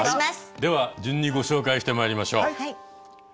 では順にご紹介してまいりましょう。